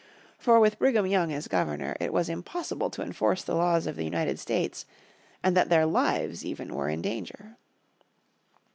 For with Brigham Young as governor it was impossible to enforce the laws of the United States, and that their lives even were in danger.